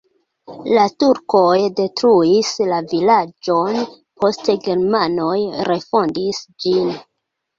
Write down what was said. La turkoj detruis la vilaĝon, poste germanoj refondis ĝin.